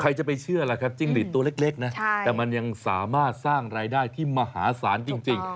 ใครจะไปเชื่อล่ะครับจิ้งหลีดตัวเล็กนะแต่มันยังสามารถสร้างรายได้ที่มหาศาลจริง